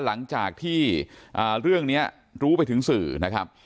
หลังจากที่เรื่องนี้รู้ไปถึงสื่อนะครับ